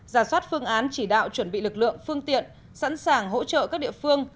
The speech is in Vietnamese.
giả soát phương án chỉ đạo chuẩn bị lực lượng phương tiện sẵn sàng hỗ trợ các địa phương